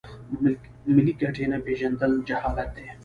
ملي ګټې نه پیژندل جهالت دی.